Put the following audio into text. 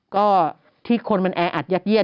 ก็ที่คนมันแออัดยัดเยีย